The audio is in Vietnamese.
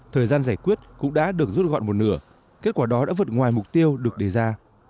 thời gian giải quyết cũng đã được rút gọn một nửa kết quả đó đã vượt ngoài mục tiêu được đề ra